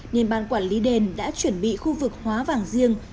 nền bàn quản lý đền đã chuẩn bị khu vực hóa vàng riêng